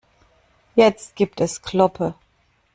Jetzt gibt es Kloppe.